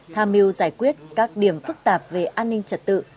tham mưu giải quyết các điểm phức tạp về an ninh trật tự